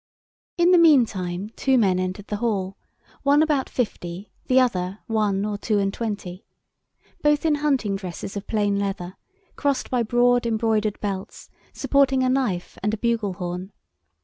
In the meantime two men entered the hall, one about fifty, the other, one or two and twenty, both in hunting dresses of plain leather, crossed by broad embroidered belts, supporting a knife, and a bugle horn.